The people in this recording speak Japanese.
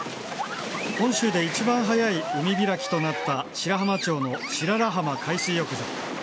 本州で一番早い海開きとなった、白浜町の白良浜海水浴場。